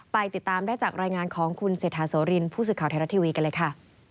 ติดตามได้จากรายงานของคุณเศรษฐาโสรินผู้สื่อข่าวไทยรัฐทีวีกันเลยค่ะ